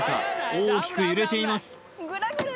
大きく揺れています